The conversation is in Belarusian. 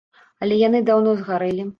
Але яны даўно згарэлі.